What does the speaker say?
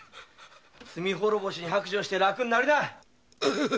罪滅ぼしに白状して楽になりな！